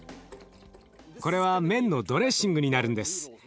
これは麺のドレッシングになるんです。